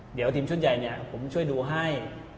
เดี๋ยวทีมชุดใหญ่เนี่ยผมช่วยดูให้